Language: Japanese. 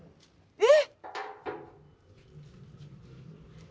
えっ！？